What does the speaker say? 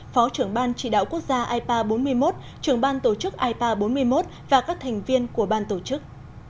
phó trưởng ban chỉ đạo quốc gia ipa bốn mươi một trưởng ban tổ chức ipa bốn mươi một và các thành viên của ban tổ chức